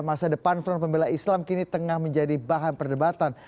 masa depan front pembela islam kini tengah menjadi bahan perdebatan